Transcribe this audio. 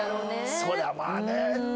そりゃまあね。